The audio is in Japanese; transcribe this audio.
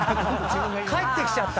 返ってきちゃった！